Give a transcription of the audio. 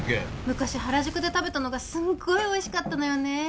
昔原宿で食べたのがすんごいおいしかったのよね